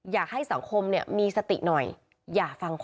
อยากให้สังคมเนี่ยมีสติหน่อย